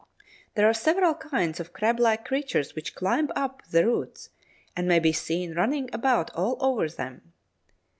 There are several kinds of crablike creatures which climb up the roots and may be seen running about all over them.